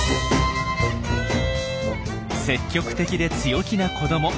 積極的で強気な子ども。